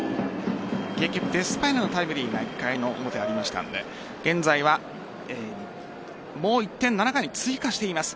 結局、デスパイネのタイムリーが１回の表、ありましたので現在はもう１点、７回に追加しています。